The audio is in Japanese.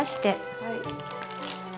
はい。